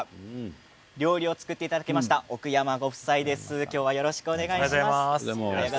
料理を作っていただいた奥山ご夫妻です。